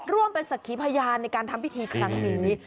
ร่วมเป็นศักดิ์พญานในการทำพิธีขนาดนี้